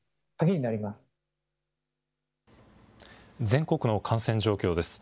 全国の感染状況です。